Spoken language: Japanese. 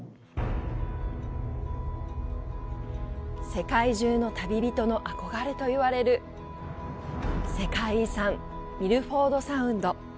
世界中の旅人の憧れと言われる世界遺産ミルフォード・サウンド。